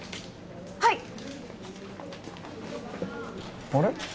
はいあれ？